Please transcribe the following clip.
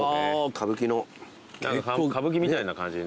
歌舞伎みたいな感じに。